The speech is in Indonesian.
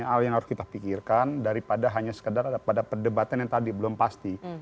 hal yang harus kita pikirkan daripada hanya sekedar ada pada perdebatan yang tadi belum pasti